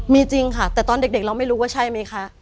มีจริงค่ะแต่ตอนเด็กเราไม่รู้ว่าใช่ไหมคะ